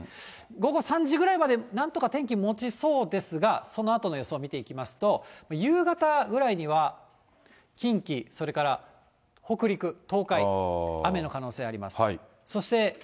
午後３時ぐらいまで、なんとか天気もちそうですが、そのあとの予想見ていきますと、夕方ぐらいには近畿、それから北陸、東海、雨の可能性あります。